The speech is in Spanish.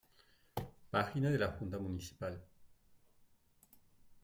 Página de la Junta Municipal